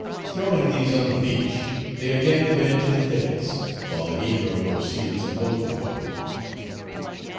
Throwing these on the beach, they again went into the thickets, while the negro proceeded to load the boat.